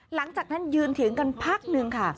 หลังจากนั้นยืนเถียงกันพักหนึ่งค่ะ